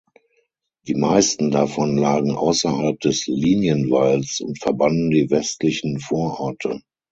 Die meisten davon lagen außerhalb des Linienwalls und verbanden die westlichen Vororte.